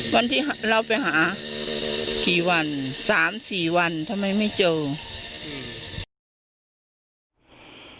วันที่เราไปหากี่วัน๓๔วันทำไมไม่เจอ